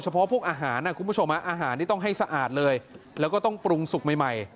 เฉพาะพวกอาหารต้องให้สะอาดเลยแล้วก็ต้องปรุงสุกใหม่